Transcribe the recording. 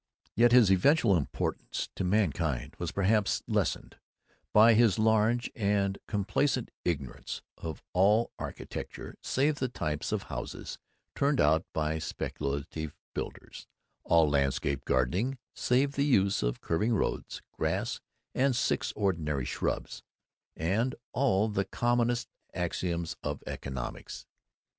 Yet his eventual importance to mankind was perhaps lessened by his large and complacent ignorance of all architecture save the types of houses turned out by speculative builders; all landscape gardening save the use of curving roads, grass, and six ordinary shrubs; and all the commonest axioms of economics.